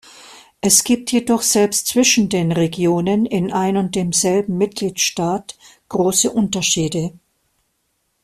Es gibt jedoch selbst zwischen den Regionen in ein und demselben Mitgliedstaat große Unterschiede.